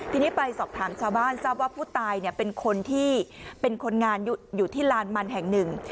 ทีนี้ไปสอบถามชาวบ้านทราบว่าผู้ตายเป็นคนที่เป็นคนงานอยู่ที่ลานมันแห่งหนึ่ง